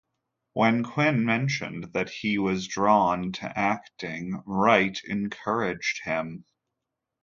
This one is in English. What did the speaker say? When Quinn mentioned that he was drawn to acting, Wright encouraged him.